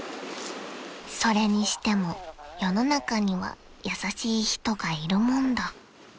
［それにしても世の中には優しい人がいるもんだ］